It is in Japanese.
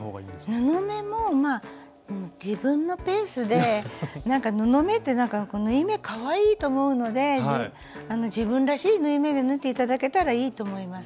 布目も自分のペースで布目って縫い目かわいいと思うので自分らしい縫い目で縫って頂けたらいいと思います。